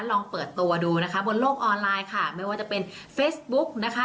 ลองเปิดตัวดูนะคะบนโลกออนไลน์ค่ะไม่ว่าจะเป็นเฟซบุ๊กนะคะ